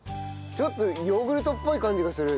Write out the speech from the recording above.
ちょっとヨーグルトっぽい感じがする。